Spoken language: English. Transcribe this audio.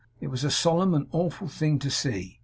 It was a solemn and an awful thing to see.